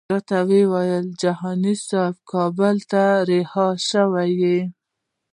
راته ویې ویل جهاني صاحب کابل ته رهي شوی.